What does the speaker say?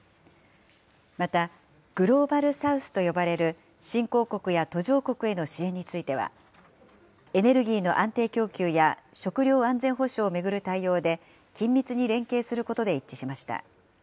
また、グローバル・サウスと呼ばれる新興国や途上国への支援については、エネルギーの安定供給や食料安全保障を巡る対応で、緊密に連携することで一致しました。